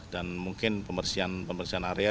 dan mungkin pembersihan area